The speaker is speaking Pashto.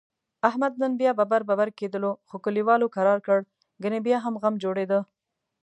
احمد نن بیا ببر ببر کېدلو، خو کلیوالو کرارکړ؛ گني بیا غم جوړیدا.